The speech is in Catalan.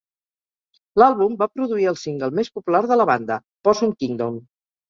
L'àlbum va produir el single més popular de la banda "Possum Kingdom".